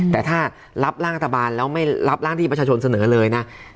แต่ถ้ารับร่างรัฐบาลแล้วไม่รับร่างที่ประชาชนเสนอเลยนะ